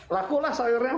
laku lah sayurnya